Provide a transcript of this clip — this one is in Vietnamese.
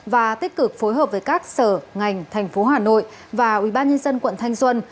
và tích cực phối hợp với các sở ngành tp hà nội và ubnd tp thanh xuân